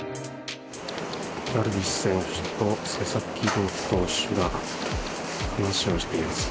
ダルビッシュ選手と佐々木朗希投手が話をしています。